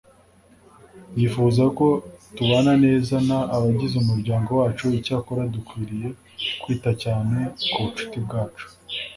yifuza ko tubana neza n abagize umuryango wacu icyakora dukwiriye kwita cyane ku bucuti bwacu